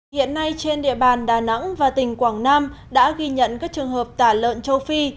hiện nay trên địa bàn đà nẵng và tỉnh quảng nam đã ghi nhận các trường hợp tả lợn châu phi